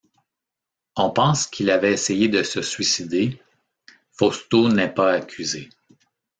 On pense qu’il avait essayé de se suicider, Fausto n’est pas accusé.